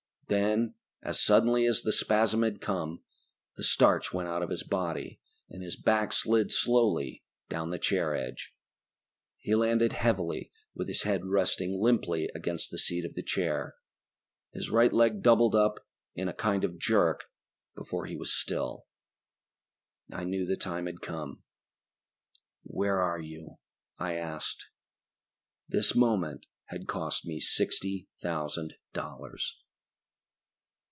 Then, as suddenly as the spasm had come, the starch went out of his body and his back slid slowly down the chair edge. He landed heavily with his head resting limply against the seat of the chair. His right leg doubled up in a kind of jerk, before he was still. I knew the time had come. "Where are you?" I asked. This moment had cost me sixty thousand dollars.